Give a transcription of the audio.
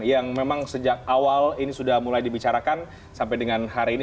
yang memang sejak awal ini sudah mulai dibicarakan sampai dengan hari ini